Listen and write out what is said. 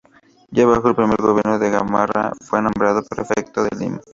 Ya bajo el primer gobierno de Gamarra, fue nombrado prefecto de Lima.